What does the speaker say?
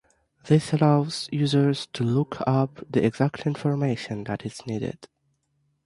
This allows users to look up the exact information that is needed.